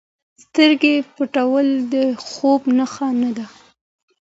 سترګې پټول د خوب نښه نه ده.